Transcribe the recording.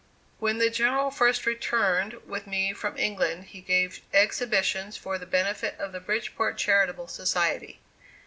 When the General first returned with me from England, he gave exhibitions for the benefit of the Bridgeport Charitable Society.